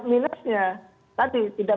minusnya tadi tidak